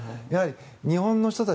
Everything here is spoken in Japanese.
日本の人たち